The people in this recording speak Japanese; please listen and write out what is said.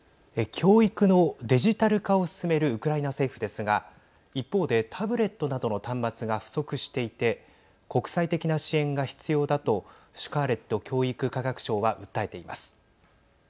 教育のデジタル化を進めるウクライナ政府ですが一方でタブレットなどの端末が不足していて国際的な支援が必要だとシュカーレット教育科学相は訴えています。